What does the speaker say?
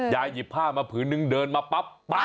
หยิบผ้ามาผืนนึงเดินมาปั๊บ